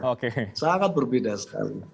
oke sangat berbeda sekali